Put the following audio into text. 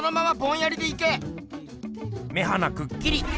目鼻くっきり。